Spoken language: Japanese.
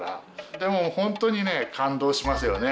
でも本当にね感動しますよね。